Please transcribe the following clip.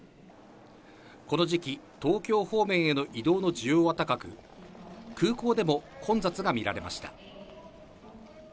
この時期、東京方面への移動の需要は高く、空港でも混雑が見られました。